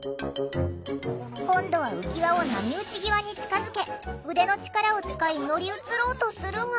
今度は浮き輪を波打ち際に近づけ腕の力を使い乗り移ろうとするが。